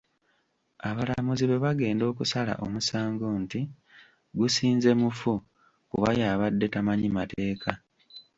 Abalamuzi bwe bagenda okusala omusango nti: "Gusinze mufu, kuba y'abadde tamanyi mateeka."